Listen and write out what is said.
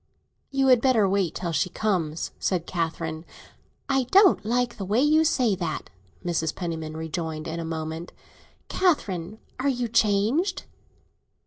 "You had better wait till she comes," said Catherine. "I don't like the way you say that," Mrs. Penniman rejoined, in a moment. "Catherine, are you changed?"